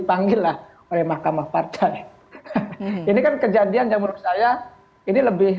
jangan tinggal tersator kemas masih